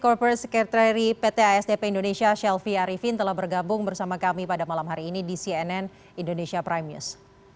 korpose sekretari pt asdp indonesia shelfie arifin telah bergabung bersama kami pada malam hari ini di cnn indonesia prime news